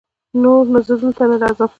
نو زه نور دلته نه راځم.